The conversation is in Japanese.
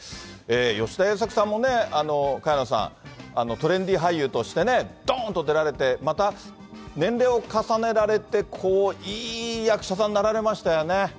吉田栄作さんも萱野さん、トレンディー俳優としてね、どーんと出られて、また年齢を重ねられて、いい役者さんになられましたよね。